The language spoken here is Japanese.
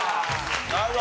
なるほど。